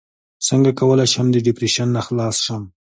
څنګه کولی شم د ډیپریشن نه خلاص شم